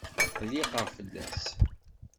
Tqelliqeɣ fell-as.